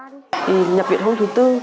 nhập viện hôm thứ tư